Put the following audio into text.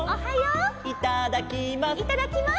「いただきます」